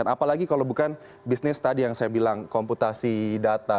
apalagi kalau bukan bisnis tadi yang saya bilang komputasi data